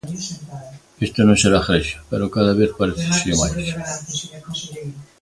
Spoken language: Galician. Isto non será Grecia, pero cada vez paréceselle máis.